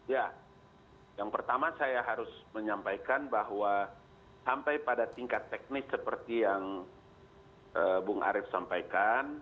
ya yang pertama saya harus menyampaikan bahwa sampai pada tingkat teknis seperti yang bung arief sampaikan